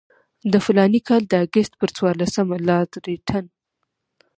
د فلاني کال د اګست پر څوارلسمه لارډ لیټن.